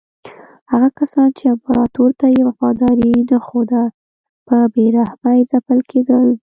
هغه کسان چې امپراتور ته یې وفاداري نه ښوده په بې رحمۍ ځپل کېدل.